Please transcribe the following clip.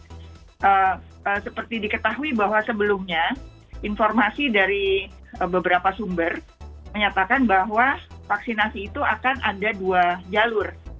jadi seperti diketahui bahwa sebelumnya informasi dari beberapa sumber menyatakan bahwa vaksinasi itu akan ada dua jalur